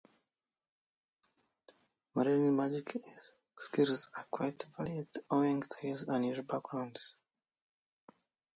Merlin's magical skills are quite varied, owing to his unusual background.